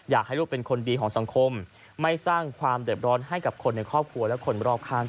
อยากให้ลูกเป็นคนดีของสังคมไม่สร้างความเด็บร้อนให้กับคนในครอบครัวและคนรอบข้าง